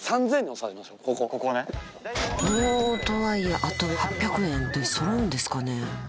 ここね。とはいえあと８００円でそろうんですかね？